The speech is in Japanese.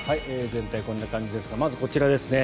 全体こんな感じですがまず、こちらですね。